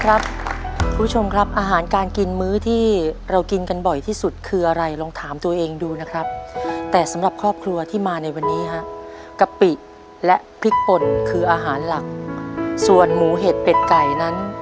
คุณผู้ชมครับอาหารการกินมื้อที่เรากินกันบ่อยที่สุดคืออะไรลองถามตัวเองดูนะครับแต่สำหรับครอบครัวที่มาในวันนี้ฮะกะปิและพริกป่นคืออาหารหลักส่วนหมูเห็ดเป็ดไก่นั้น